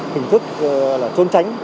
hình thức trốn tránh